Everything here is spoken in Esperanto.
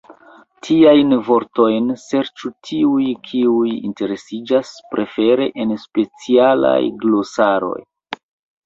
Tiajn vortojn serĉu tiuj, kiuj interesiĝas, prefere en specialaj glosaroj.